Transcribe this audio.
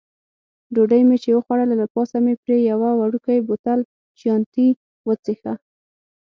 ډوډۍ مې چې وخوړله، له پاسه مې پرې یو وړوکی بوتل چیانتي وڅېښه.